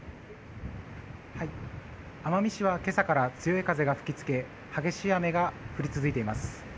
奄美市は今朝から強い風が吹き付け激しい雨が降り続いています。